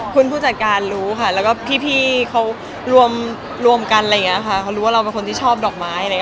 คุณผู้จัดการรู้ค่ะพี่เขารวมกันและรู้ว่าเราเป็นคนที่ชอบดอกไม้